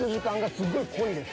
すごい濃いです。